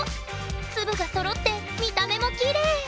粒がそろって見た目もきれい！